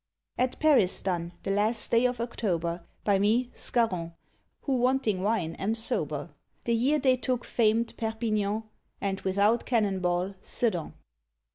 At Paris done, the last day of October, By me, Scarron, who wanting wine am sober, The year they took fam'd Perpignan, And, without cannon ball, Sedan.